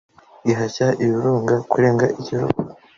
Ihashya ibirunga kurenga ibihugu